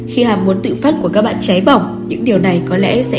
khi hàm muốn tự phát của các bạn cháy bỏng những điều này có lẽ sẽ